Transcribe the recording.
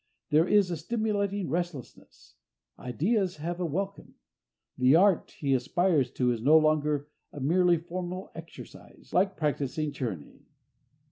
There is a stimulating restlessness; ideas have a welcome; the art he aspires to is no longer a merely formal exercise, like practicing Czerny.